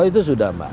itu sudah mbak